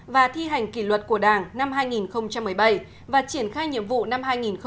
và thi hành kỷ luật của đảng năm hai nghìn một mươi bảy và triển khai nhiệm vụ năm hai nghìn một mươi chín